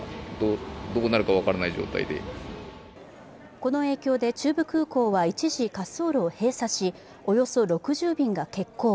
この影響で中部空港は一時滑走路を閉鎖し、およそ６０便が欠航。